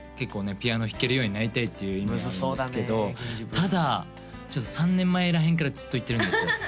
ピアノ弾けるようになりたいっていう意味なんですけどただちょっと３年前らへんからずっと言ってるんですよ